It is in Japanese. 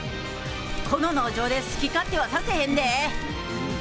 この農場で、好き勝手はさせへんで！